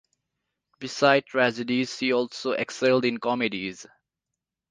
Beside tragedies she also excelled in comedies.